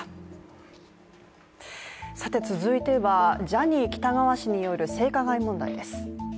続いてはジャニー喜多川氏による性加害問題です。